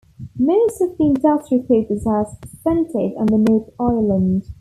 Most of the industry focus has centered on the North Island.